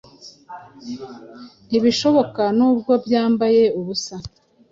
Ntibishoboka nubwo byambaye ubusa,